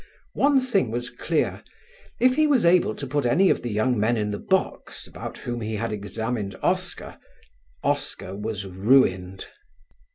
One thing was clear: if he was able to put any of the young men in the box about whom he had examined Oscar, Oscar was ruined.